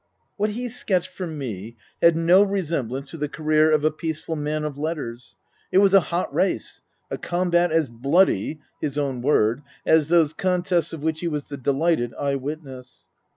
What he sketched for me had no resemblance to the career of a peaceful man of letters. It was a hot race, a combat as bloody (his own word) as those contests of which he was the delighted eye witness.